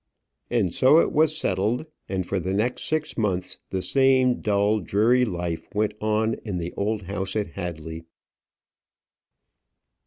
And so it was settled; and for the next six months the same dull, dreary life went on in the old house at Hadley.